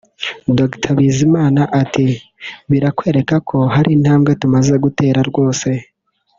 Dr Bizimana ati “Birakwereka ko hari intambwe tumaze gutera rwose